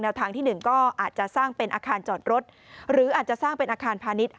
ทางที่หนึ่งก็อาจจะสร้างเป็นอาคารจอดรถหรืออาจจะสร้างเป็นอาคารพาณิชย